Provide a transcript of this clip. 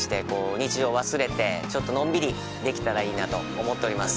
日常を忘れてちょっとのんびりできたらいいなと思っております。